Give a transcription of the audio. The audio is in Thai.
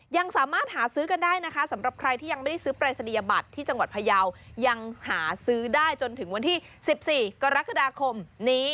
ยังสามารถหาซื้อกันได้นะคะสำหรับใครที่ยังไม่ได้ซื้อปรายศนียบัตรที่จังหวัดพยาวยังหาซื้อได้จนถึงวันที่๑๔กรกฎาคมนี้